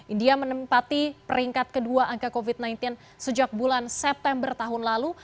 india menempati peringkat kedua angka covid sembilan belas sejak bulan september tahun lalu